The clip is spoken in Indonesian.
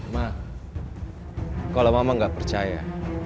ma kalau mama gak percaya